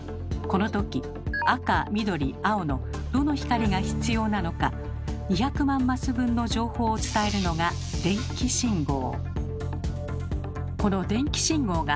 この時赤緑青のどの光が必要なのか２００万マス分の情報を伝えるのが「電気信号」。